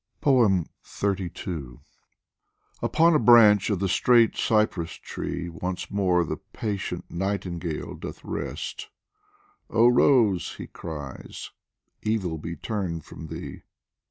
105 POEMS FROM THE XXXII UPON a branch of the straight cypress tree Once more the patient nightingale doth rest :" Oh Rose !" he cries, " evil be turned from thee